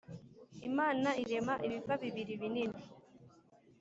Imana irema ibiva bibiri binini